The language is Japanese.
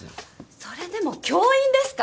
それでも教員ですか？